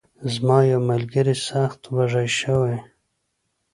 زما یو ملګری سخت وږی شوی.